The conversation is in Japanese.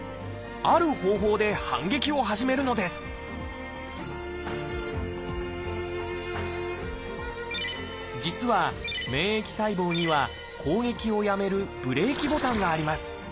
ある方法で反撃を始めるのです実は免疫細胞には攻撃をやめるブレーキボタンがあります。